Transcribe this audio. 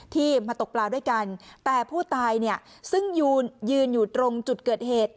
ที่มาตกปลาด้วยกันแต่ผู้ตายเนี่ยซึ่งยืนอยู่ตรงจุดเกิดเหตุ